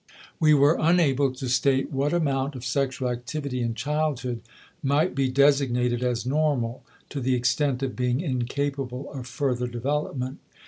We were unable to state what amount of sexual activity in childhood might be designated as normal to the extent of being incapable of further development.